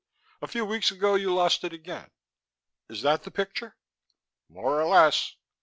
A few weeks ago you lost it again. Is that the picture?" "More or less."